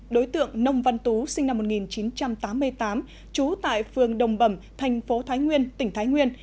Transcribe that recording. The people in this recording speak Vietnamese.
đối tượng nông văn tú sinh năm một nghìn chín trăm tám mươi tám trú tại phường đồng bẩm thành phố thái nguyên tỉnh thái nguyên